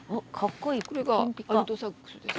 これがアルトサックスです。